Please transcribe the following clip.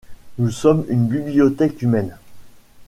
Nous sommes une bibliothèque humaine.